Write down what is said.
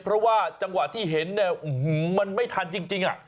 เพราะว่าจังหวะที่เห็นเนี่ยมันไม่ทันจริง